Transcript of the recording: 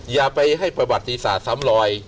อย่าไปให้ประวัติศาสตร์ซ้ำลอย